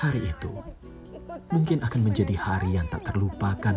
hari itu mungkin akan menjadi hari yang tak terlupakan